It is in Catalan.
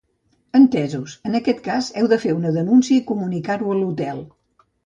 Entesos, en aquest cas heu de fer una denúncia i comunicar-ho a l'hotel.